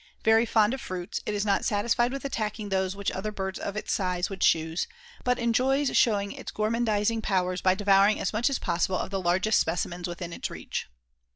Very fond of fruits, it is not satisfied with attacking those which other birds of its size would choose, but enjoys showing its gormandizing powers by devouring as much as possible of the largest specimens within its reach.